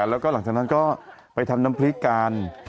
แล้วก็หลังจากนั้นก็ไปทำน้ำพริกกัน